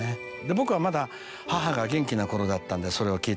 僕はまだ母が元気な頃だったんでそれを聞いた時は。